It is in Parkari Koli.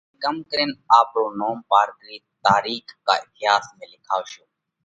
تمي ڪم ڪرينَ آپرو نوم پارڪرِي تارِيخ ڪا اٿياس ۾ لکاوَشو؟